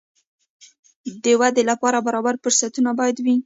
د ودې لپاره برابر فرصتونه باید وي.